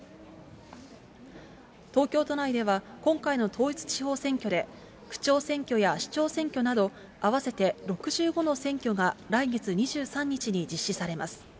東京都内では、今回の統一地方選挙で、区長選挙や市長選挙など、合わせて６５の選挙が来月２３日に実施されます。